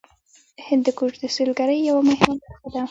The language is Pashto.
هندوکش د سیلګرۍ یوه مهمه برخه ده.